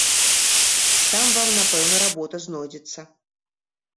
Там вам, напэўна, работа знойдзецца.